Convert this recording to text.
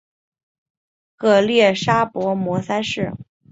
曷利沙跋摩三世。